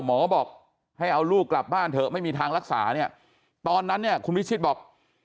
หมอบอกให้เอาลูกกลับบ้านเถอะไม่มีทางรักษาเนี่ยตอนนั้นเนี่ยคุณวิชิตบอก